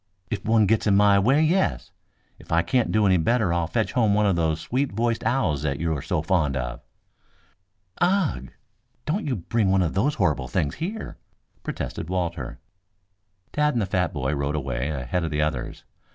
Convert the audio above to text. "If one gets in my way, yes. If I can't do any better I'll fetch home one of those sweet voiced owls that you are so fond of." "Ugh! Don't you bring one of those horrible things here," protested Walter. Tad and the fat boy rode away ahead of the others.